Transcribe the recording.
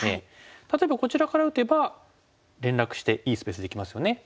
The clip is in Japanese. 例えばこちらから打てば連絡していいスペースできますよね。